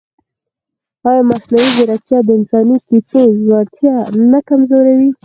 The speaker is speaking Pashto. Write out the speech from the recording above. ایا مصنوعي ځیرکتیا د انساني کیسو ژورتیا نه کمزورې کوي؟